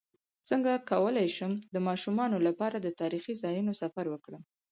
څنګه کولی شم د ماشومانو لپاره د تاریخي ځایونو سفر وکړم